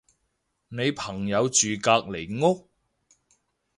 你朋友住隔離屋？